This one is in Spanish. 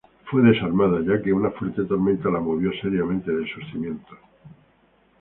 Fue desarmada, ya que una fuerte tormenta la movió seriamente de sus cimientos.